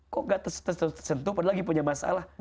kok gak tersentuh padahal lagi punya masalah